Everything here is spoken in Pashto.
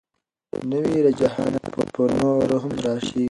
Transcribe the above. نوي رجحانات به نور هم راشي.